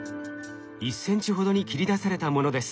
１ｃｍほどに切り出されたものです。